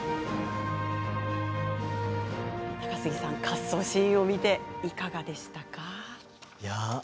滑走シーンを見ていかがでしたか？